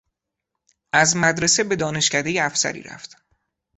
از مدرسه به دانشکدهی افسری رفت.